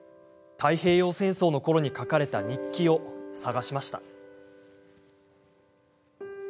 太平洋戦争のころに書かれた日記を探しました。